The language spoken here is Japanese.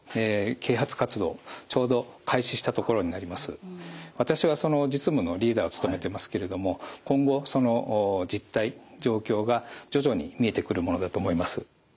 日本でも私はその実務のリーダーを務めてますけれども今後その実態状況が徐々に見えてくるものだと思います。